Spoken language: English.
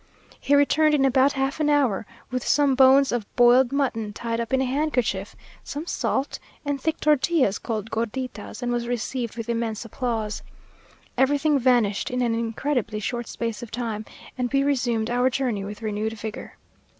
He returned in about half an hour, with some bones of boiled mutton, tied up in a handkerchief! some salt, and thick tortillas, called gorditas, and was received with immense applause. Everything vanished in an incredibly short space of time, and we resumed our journey with renewed vigour.